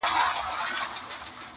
د هدف لپاره قرباني اړینه وي.